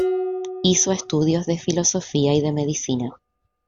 Hizo estudios de Filosofía y de Medicina.